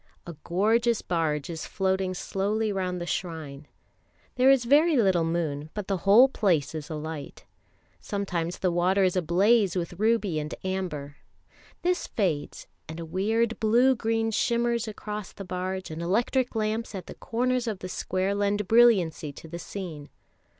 A gorgeous barge is floating slowly round the shrine. There is very little moon, but the whole place is alight; sometimes the water is ablaze with ruby and amber; this fades, and a weird blue green shimmers across the barge, and electric lamps at the corners of the square lend brilliancy to the scene.